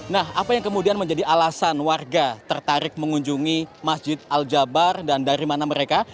nah apa yang kemudian menjadi alasan warga tertarik mengunjungi masjid al jabar dan dari mana mereka